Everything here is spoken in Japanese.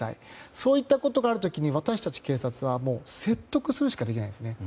そういったことがある時に私たち警察は説得するしかできないんですね。